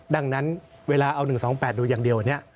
ดังนั้นเวลาเอา๑๒๘ดูอย่างเดียว